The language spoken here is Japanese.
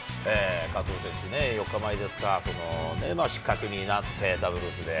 加藤選手、４日前ですか、失格になって、ダブルスで。